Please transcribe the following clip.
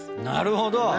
なるほど！